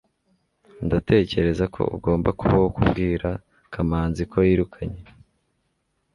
ndatekereza ko ugomba kuba uwo kubwira kamanzi ko yirukanye